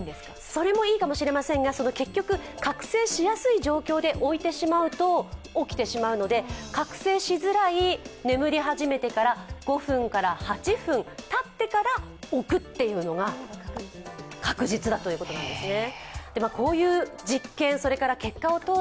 それもいいかもしれませんが結局、覚醒しやすい状況で置いてしまうと起きてしまうので覚醒しづらい眠り始めてから５分から８分たってから置くというのが確実だということですね。